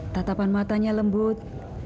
tatapan matanya lembut